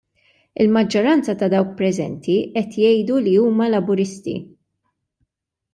Il-maġġoranza ta' dawk preżenti qed jgħidu li huma Laburisti.